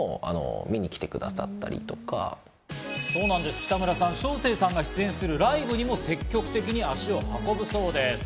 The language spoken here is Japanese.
北村さん、将清さんが出演するライブにも積極的に足を運ぶそうで。